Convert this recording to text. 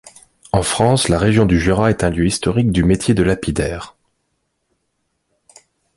En France, la région du Jura est un lieu historique du métier de lapidaire.